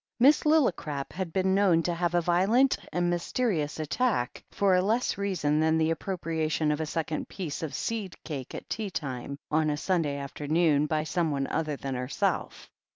Miss Lillicrap had been known to have a violent and mysterious "attack" for a less reason than the appropriation of a second piece of seed cake at tea*time on a Sunday afternoon by someone other than herself.